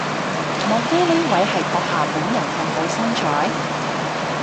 莫非呢位係閣下本人咁好身材？